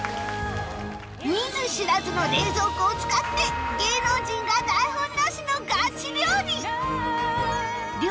見ず知らずの冷蔵庫を使って芸能人が台本なしのガチ料理